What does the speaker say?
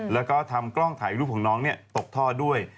แล้วก็ทำกล้องถ่ายรูปของน้องตกท่อด้วย